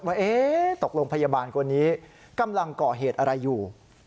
ว่าตกลงพยาบาลคนนี้กำลังก่อเหตุอะไรอยู่